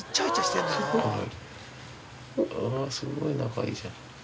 すごい仲いいじゃん。